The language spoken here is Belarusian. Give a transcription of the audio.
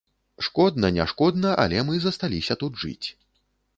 Шкодна не шкодна, але мы засталіся тут жыць.